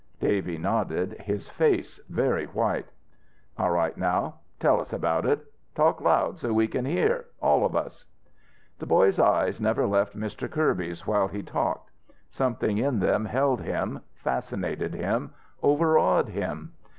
Davy nodded, his face very white. "All right now. Tell us about it. Talk loud so we can hear all of us." The boy's eyes never left Mr. Kirby's while he talked. Something in them held him, fascinated him, overawed him.